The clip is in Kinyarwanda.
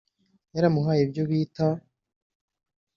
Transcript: yaramuhaye ibyo bita